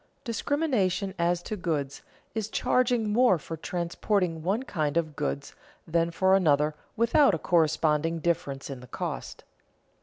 _Discrimination as to goods is charging more for transporting one kind of goods than for another without a corresponding difference in the cost.